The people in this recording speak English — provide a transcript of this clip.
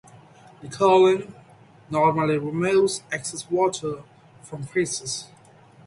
The colon normally removes excess water from feces.